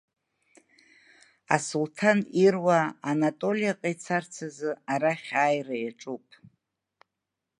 Асулҭан ируаа Анатолиаҟа ицарц азы арахь ааира иаҿуп.